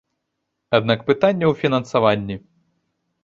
Аднак пытанне ў фінансаванні.